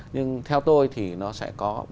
nhưng theo tôi thì nó sẽ có